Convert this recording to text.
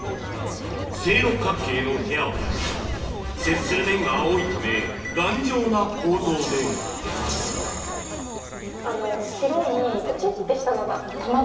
正六角形の部屋は接する面が多いため頑丈な構造で白いポチってしたのが。